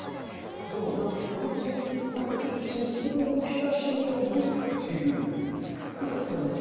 でも何かこの咳何かちょっと咳にも親しみを覚えたっていう句だと思って。